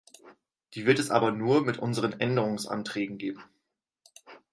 Die wird es aber nur mit unseren Änderungsanträgen geben.